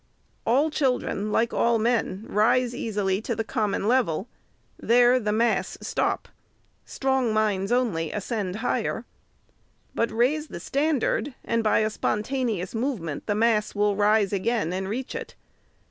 All children, like all men, rise easily to the common level. There the mass stop ; strong minds only ascend higher. But raise the standard, and, by a spontaneous movement, the mass will rise again, and reach it.